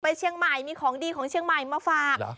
เชียงใหม่มีของดีของเชียงใหม่มาฝาก